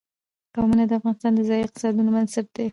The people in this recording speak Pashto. قومونه د افغانستان د ځایي اقتصادونو بنسټ دی.